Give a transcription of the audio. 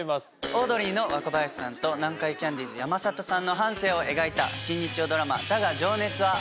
オードリーの若林さんと南海キャンディーズ・山里さんの半生を描いた新日曜ドラマ『だが、情熱はある』。